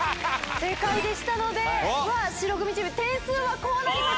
正解でしたので、白組チーム、点数はこうなります。